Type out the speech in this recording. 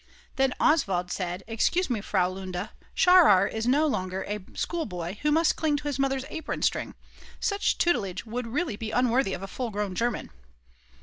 Then Oswald said: "Excuse me, Frau Lunda, Scharrer is no longer a schoolboy who must cling to his mother's apron string; such tutelage would really be unworthy of a full grown German."